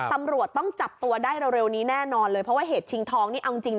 ตำรวจต้องจับตัวได้เร็วนี้แน่นอนเลยเพราะว่าเหตุชิงทองนี่เอาจริง